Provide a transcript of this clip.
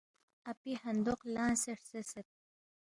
اپی ہندوق لنگسے ہرژیسید